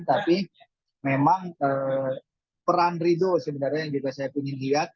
tapi memang peran ridho sebenarnya yang juga saya ingin lihat